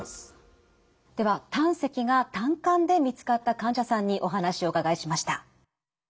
では胆石が胆管で見つかった患者さんにお話をお伺いしました。